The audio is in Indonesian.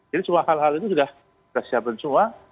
jadi semua hal hal itu sudah disiapkan semua